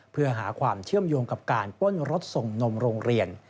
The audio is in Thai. เพื่อหาความเชื่อมโยงกับการป้นรถส่งนมโรงเรียน